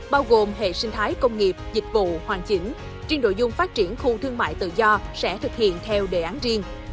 bao gồm hệ sinh thái công nghiệp dịch vụ hoàn chỉnh triển đội dung phát triển khu thương mại tự do sẽ thực hiện theo đề án riêng